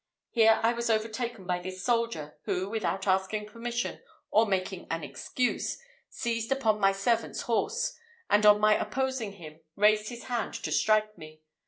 Here I was overtaken by this soldier, who, without asking permission, or making an excuse, seized upon my servant's horse, and on my opposing him, raised his hand to strike me.